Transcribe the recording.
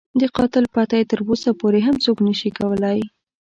د قاتل پته یې تر اوسه پورې هم څوک نه شي کولای.